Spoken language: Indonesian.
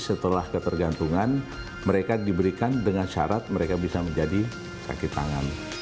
setelah ketergantungan mereka diberikan dengan syarat mereka bisa menjadi sakit tangan